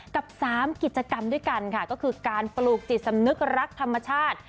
กับ๓กิจกรรมด้วยกันค่ะก็คือการปลูกจิตสำนึกรักธรรมชาติ